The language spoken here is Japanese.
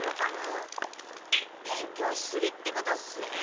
勉強しすぎってことっすね。